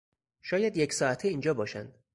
شاید یک ساعته اینجا باشند.